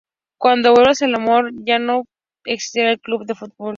Cuando vuelve al Raimon ve que ya no existe el club de fútbol.